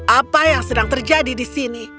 apa yang sedang terjadi disini